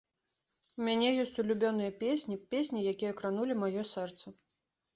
У мяне ёсць улюбёныя песні, песні, якія кранулі маё сэрца.